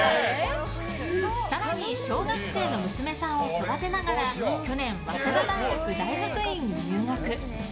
更に小学生の娘さんを育てながら去年、早稲田大学大学院に入学。